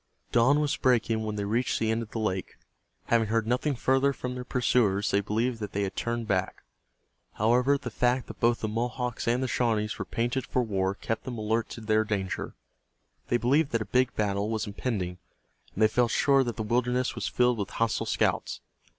Dawn was breaking when they reached the end of the lake. Having heard nothing further from their pursuers they believed that they had turned back. However, the fact that both the Mohawks and the Shawnees were painted for war kept them alert to their danger. They believed that a big battle was impending, and they felt sure that the wilderness was filled with hostile scouts.